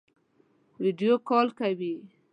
ویډیو کال کوئ؟